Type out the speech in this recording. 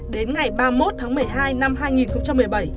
đến ngày ba mươi một tháng một mươi hai năm hai nghìn một mươi bảy